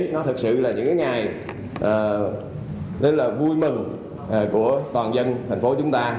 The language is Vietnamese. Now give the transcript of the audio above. nó thật sự là những ngày vui mừng của toàn dân thành phố chúng ta